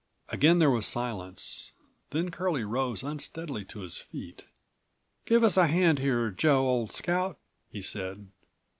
Again there was silence. Then Curlie rose unsteadily to his feet. "Give us a hand here, Joe, old scout," he said.